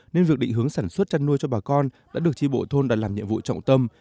nên việc định hướng sản xuất chăn nuôi cho bà con đã được tri bộ thôn đã làm nhiệm vụ trọng tâm